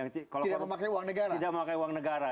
tidak memakai uang negara